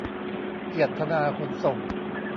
เกียรติธนา ขนส่ง